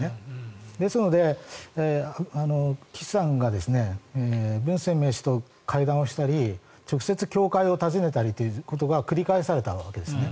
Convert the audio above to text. ですので、岸さんがブン・センメイ氏と会見したり直接教会を訪ねたりということが繰り返されたわけです。